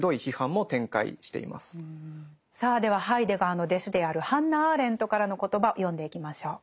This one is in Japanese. さあではハイデガーの弟子であるハンナ・アーレントからの言葉読んでいきましょう。